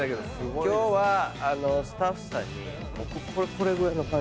今日はスタッフさんにこれぐらいの感じで言われてます。